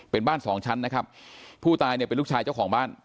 เป็นบ้านสองชั้นนะครับผู้ตายเนี่ยเป็นลูกชายเจ้าของบ้าน